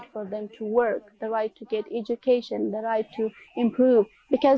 hak untuk mendapatkan pendidikan hak untuk meningkatkan kebaikan